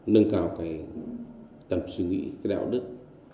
nâng cao cái tầm suy nghĩ cái đạo đức